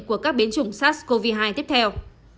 của biến chủng sars cov hai tiếp theo